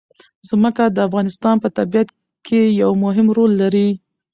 ځمکه د افغانستان په طبیعت کې یو مهم رول لري.